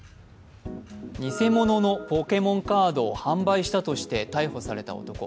偽物のポケモンカードを販売したとして逮捕された男。